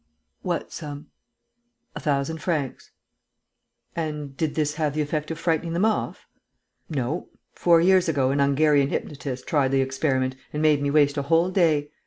"What sum?" "A thousand francs." "And did this have the effect of frightening them off?" "No. Four years ago, an Hungarian hypnotist tried the experiment and made me waste a whole day.